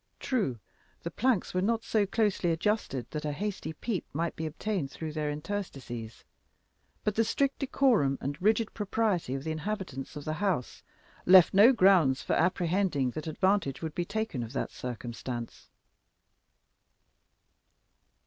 True, the planks were not so closely adjusted but that a hasty peep might be obtained through their interstices; but the strict decorum and rigid propriety of the inhabitants of the house left no grounds for apprehending that advantage would be taken of that circumstance.